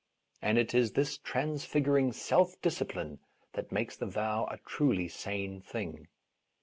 And it is this trans figuring self discipline that makes the vow a trul}' sane thing.